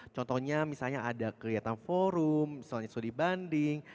contohnya misalnya ada kelihatan forum misalnya studi banding